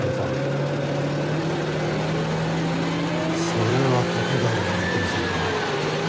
それは徳川殿がいけませんなあ。